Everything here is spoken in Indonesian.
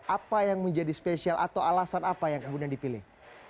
apa yang menjadi spesial atau alasan apa yang kemudian dipilih